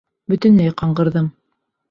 Бөтөнләй ҡаңғырҙым.